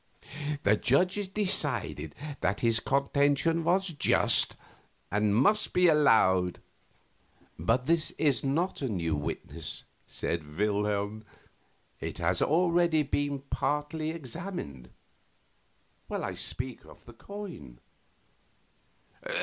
The judges decided that his contention was just and must be allowed. "But this is not a new witness," said Wilhelm. "It has already been partly examined. I speak of the coin."